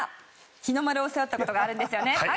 日の丸を背負ったことがあるんですよね。